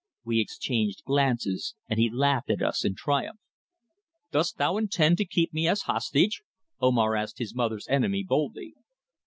We exchanged glances, and he laughed at us in triumph. "Dost thou intend to keep me as hostage?" Omar asked his mother's enemy boldly.